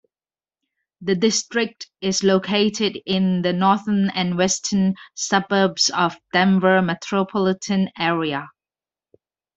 The district is located in the northern and western suburbs of Denver metropolitan area.